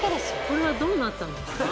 これはどうなったんですか？